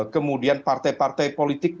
kemudian partai partai politik